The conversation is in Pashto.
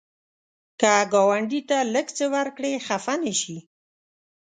که ګاونډي ته لږ څه ورکړې، خفه نشي